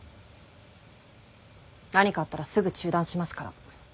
何かあったらすぐ中断しますから。